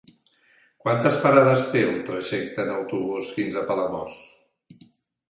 Quantes parades té el trajecte en autobús fins a Palamós?